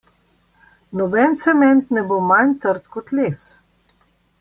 Noben cement ne bo manj trd kot les.